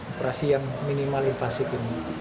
operasi yang minimal invasif ini